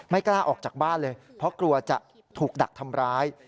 กล้าออกจากบ้านเลยเพราะกลัวจะถูกดักทำร้าย